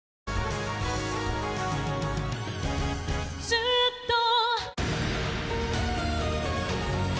「ずっと」